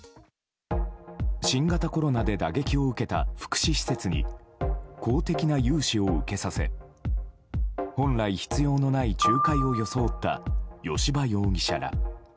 新型コロナで打撃を受けた福祉施設に公的な融資を受けさせ本来、必要のない仲介を装った吉羽容疑者ら。